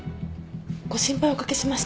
ご心配おかけしました。